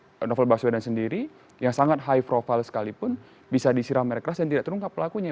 terhadap novel baswedan sendiri yang sangat high profile sekalipun bisa disiram air keras dan tidak terungkap pelakunya